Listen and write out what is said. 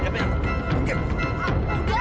gapain teteh ampun